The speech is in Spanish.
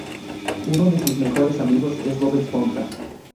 Uno de sus mejores amigos es Bob Esponja.